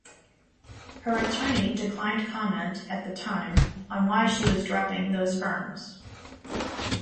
Her attorney declined comment at the time on why she was dropping those firms.